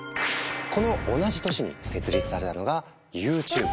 この同じ年に設立されたのがＹｏｕＴｕｂｅ。